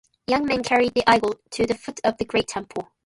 Young men carried the idol to the foot of the great temple.